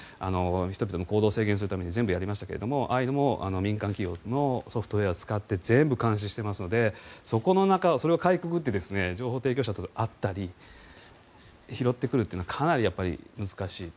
人々の行動制限をするために全部やりましたけどああいうのも民間企業のソフトウェアを使って全部監視していますのでそれをかいくぐって情報提供者と会ったり拾ってくるというのはかなり難しいと。